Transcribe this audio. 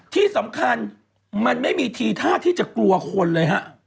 ที่สำคัญมันไม่มีทีท่าที่จะกลัวคนเลยฮะ